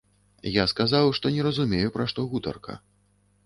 Я сказаў, што не разумею, пра што гутарка.